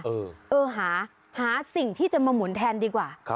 เออหาสิ่งที่จะมาหมุนแทนดีกว่า